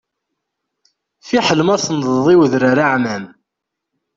Fiḥel ma tennḍeḍ i udrar aɛmam.